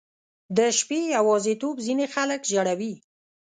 • د شپې یواځیتوب ځینې خلک ژړوي.